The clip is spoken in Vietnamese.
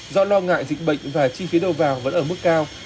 do lo ngại dịch bệnh và chi phí đầu vào vẫn ở mức cao